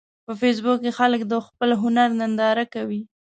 په فېسبوک کې خلک د خپل هنر ننداره کوي